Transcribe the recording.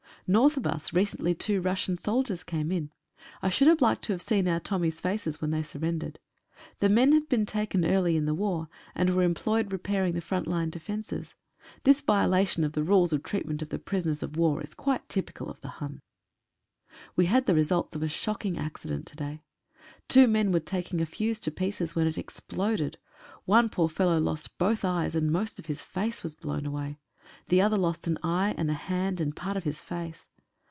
North of us recently two Russian soldiers came in. I should have liked to have seen our Tommies' faces when they surrendered. The men had been taken early in the war, and were employed repairing the front line defences. This violation of the rules of treatment of prisoners of war is quite typical of the Hian. We had the results of a shocking accident to day. Two men were taking a fuse to pieces when it exploded. One poor fellow lost both eyes, and most of his face was blown away ; the other lost an eye and a hand and part of his face.